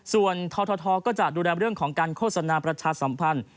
ส่วนททก็จะดูแลเรื่องของการโฆษณาประชาสัมพันธ์